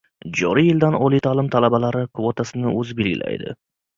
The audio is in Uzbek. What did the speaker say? Joriy yildan oliy ta`lim talabalar kvotasini oʻzi belgilaydi.